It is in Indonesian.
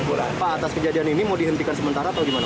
pak atas kejadian ini mau dihentikan sementara atau gimana